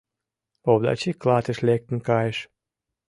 Овдачи клатыш лектын кайыш.